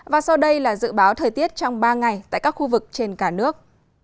và sau đây là dự báo thời tiết trong ba ngày tại các khu vực trên cả nước